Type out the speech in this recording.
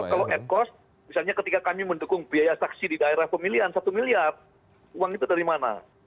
kalau ad cost misalnya ketika kami mendukung biaya saksi di daerah pemilihan satu miliar uang itu dari mana